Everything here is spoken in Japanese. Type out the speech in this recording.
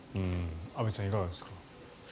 安部さん、いかがですか。